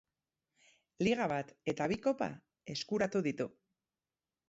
Liga bat eta bi kopa eskuratu ditu.